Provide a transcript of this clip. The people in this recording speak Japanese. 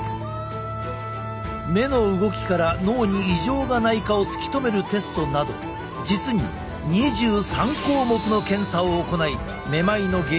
目の動きから脳に異常がないかを突き止めるテストなど実に２３項目の検査を行いめまいの原因を調べ上げるのだ。